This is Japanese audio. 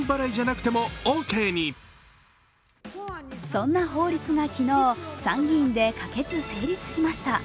そんな法律が参議院で昨日可決・成立しました。